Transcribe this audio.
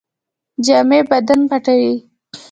جامې بدن پټوي